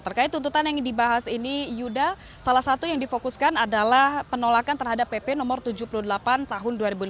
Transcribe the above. terkait tuntutan yang dibahas ini yuda salah satu yang difokuskan adalah penolakan terhadap pp no tujuh puluh delapan tahun dua ribu lima belas